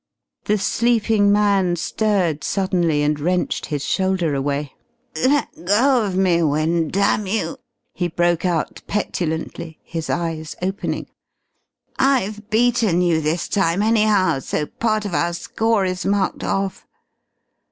The sleeping man stirred suddenly and wrenched his shoulder away. "Let go of me, Wynne, damn you!" he broke out petulantly, his eyes opening. "I've beaten you this time, anyhow, so part of our score is marked off!